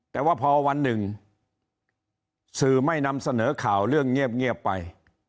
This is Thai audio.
แต่ว่าพอวันหนึ่งสื่อไม่นำเสนอข่าวเรื่องเงียบไป